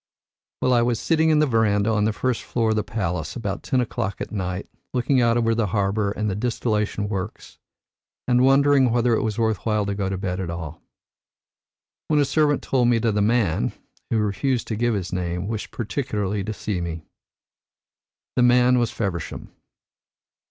Well, I was sitting in the verandah on the first floor of the palace about ten o'clock at night, looking out over the harbour and the distillation works, and wondering whether it was worth while to go to bed at all, when a servant told me that a man, who refused to give his name, wished particularly to see me. The man was Feversham.